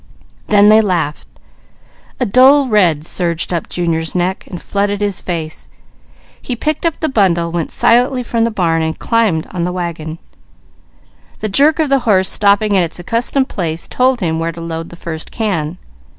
Then they laughed. A dull red surged up Junior's neck, and flooded his face. He picked up the bundle, went silently from the barn, and climbed on the wagon. The jerk of the horse stopping at its accustomed place told him when to load the first can.